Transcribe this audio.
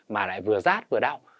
mà lại vừa rát vừa đau